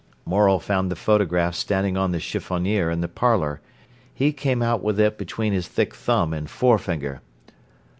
Morel found the photograph standing on the chiffonier in the parlour. He came out with it between his thick thumb and finger.